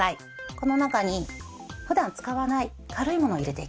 この中に普段使わない軽い物を入れていきます。